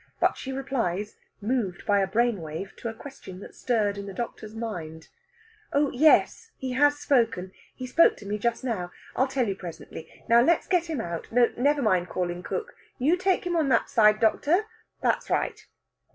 But she replies, moved by a brain wave, to a question that stirred in the doctor's mind. "Oh yes; he has spoken. He spoke to me just now. I'll tell you presently. Now let's get him out. No, never mind calling cook. You take him on that side, doctor.... That's right!"